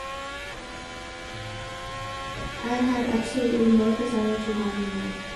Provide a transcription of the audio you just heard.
I had absolutely no desire to harm anyone.